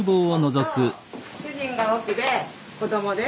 主人が奥で子どもです。